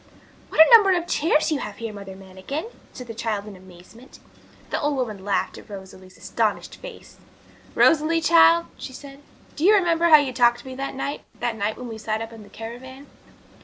'What a number of chairs you have here, Mother Manikin!' said the child in amazement. The old woman laughed at Rosalie's astonished face. 'Rosalie, child,' she said, 'do you remember how you talked to me that night the night when we sat up in the caravan?'